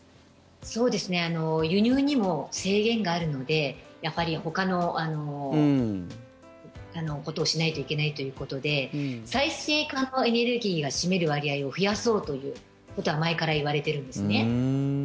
輸入にも制限があるのでやっぱりほかのことをしないといけないということで再生可能エネルギーが占める割合を増やそうということは前から言われてるんですね。